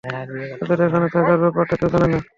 তাদের এখানে থাকার ব্যাপারটা কেউ জানে না।